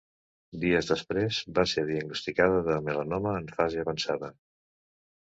Dies després va ser diagnosticada de melanoma en fase avançada.